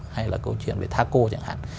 hay là câu chuyện về thaco chẳng hạn